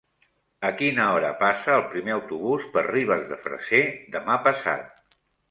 A quina hora passa el primer autobús per Ribes de Freser demà passat?